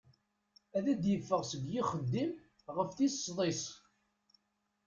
Ad d-ffɣeɣ seg yixeddim ɣef tis sḍis.